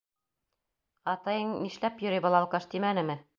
Атайың, нишләп йөрөй был алкаш, тимәнеме?